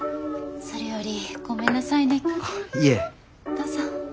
どうぞ。